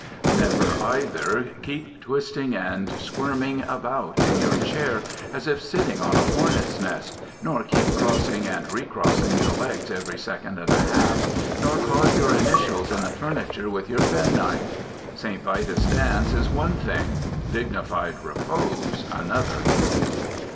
Never, either, keep twisting and squirming about in your chair as if sitting on a hornet's nest, nor keep crossing and recrossing the legs every second and a half, nor carve your initials on the furniture with your penknife. St. Vitus' dance is one thing, dignified repose another.